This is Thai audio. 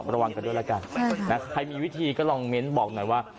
ระวังกันด้วยแล้วกันใครมีวิธีก็ลองเน้นบอกหน่อยว่า